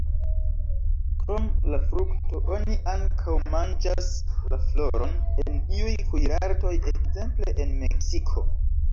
Krom la frukto, oni ankaŭ manĝas la floron en iuj kuirartoj, ekzemple en Meksiko.